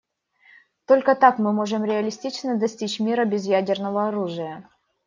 Только так мы можем реалистично достичь мира без ядерного оружия.